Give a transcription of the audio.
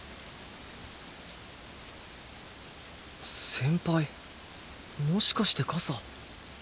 先輩もしかして傘